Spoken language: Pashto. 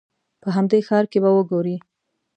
په همدې ښار کې به وګورې.